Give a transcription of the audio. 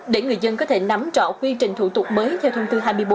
để người dân có thể nắm rõ quy trình thủ tục mới theo thông tư hai mươi bốn